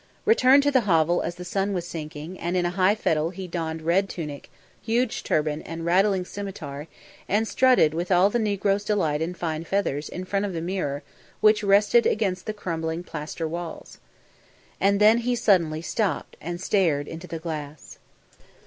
Returned to the hovel as the sun was sinking, and in high fettle, he donned red tunic, huge turban and rattling scimitar and strutted with all the negro's delight in fine feathers in front of the mirror which rested against the crumbling plaster walls. And then he suddenly stopped and stared into the glass.